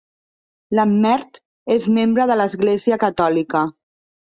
Lammert és membre de l'església catòlica.